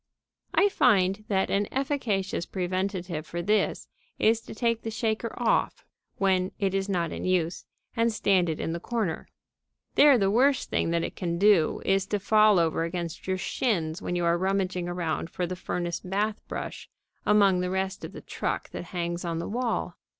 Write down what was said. I find that an efficacious preventive for this is to take the shaker off when it is not in use and stand it in the corner. There the worst thing that it can do is to fall over against your shins when you are rummaging around for the furnace bath brush among the rest of the truck that hangs on the wall.